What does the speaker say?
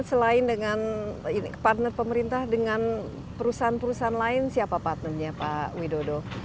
selain dengan partner pemerintah dengan perusahaan perusahaan lain siapa partnernya pak widodo